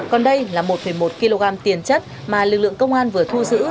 còn đây là một một kg tiền chất mà lực lượng công an vừa thu giữ